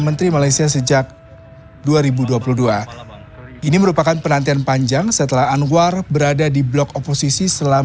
menteri malaysia sejak dua ribu dua puluh dua ini merupakan penantian panjang setelah anwar berada di blok oposisi selama